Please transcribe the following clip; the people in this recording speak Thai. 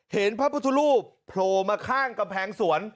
พระพุทธรูปโผล่มาข้างกำแพงสวน